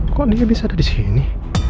kok dia bisa ada di sini